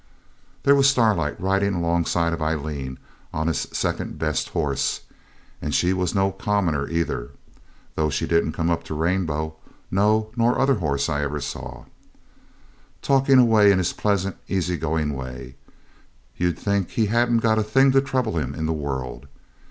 There was Starlight riding alongside of Aileen on his second best horse, and he was no commoner either (though he didn't come up to Rainbow, nor no other horse I ever saw), talking away in his pleasant, easy going way. You'd think he hadn't got a thing to trouble him in the world.